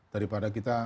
daripada kita berpikir